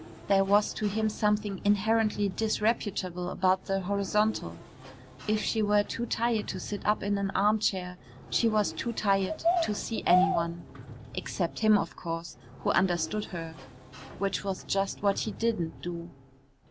There was to him something inherently disreputable about the horizontal. If she were too tired to sit up in an armchair, she was too tired to see any one except him, of course, who understood her (which was just what he didn't do).